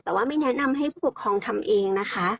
แต่ว่าไม่แนะนำให้ผู้ปกครองทำเองนะคะ